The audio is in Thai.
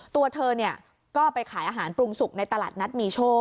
ตัวเธอก็ไปขายอาหารปรุงสุกในตลาดนัดมีโชค